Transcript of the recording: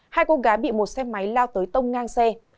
hai cô gái bị một xe máy lao tới tông ngang xe